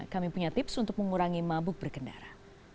kami punya tips untuk mengurangi mabuk berkendara